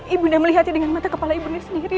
ibu nda melihatnya dengan mata kepala ibunya sendiri